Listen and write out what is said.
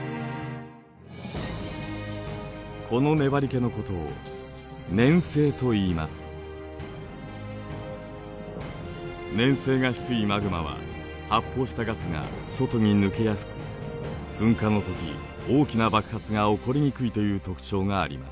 この粘りけのことを粘性が低いマグマは発泡したガスが外に抜けやすく噴火の時大きな爆発が起こりにくいという特徴があります。